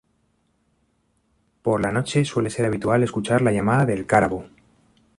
Por la noche suele ser habitual escuchar la llamada del cárabo.